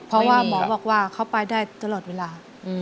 เพราะว่าหมอบอกว่าเขาไปได้ตลอดเวลา